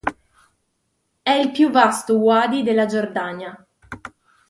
È il più vasto uadi della Giordania.